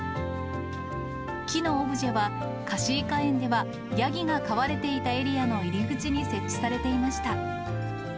木のオブジェは、かしいかえんではヤギが飼われていたエリアの入り口に設置されていました。